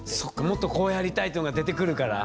「もっとこうやりたい」ってのが出てくるから。